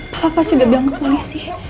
papa pasti udah bilang ke polisi